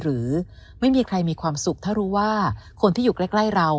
หรือไม่มีใครมีความสุขถ้ารู้ว่าคนที่อยู่ใกล้เรา